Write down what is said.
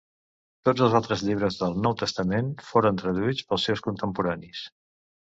Tots els altres llibres del Nou Testament foren traduïts pels seus contemporanis.